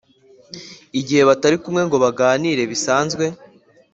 igihe batari kumwe ngo baganire bisanzwe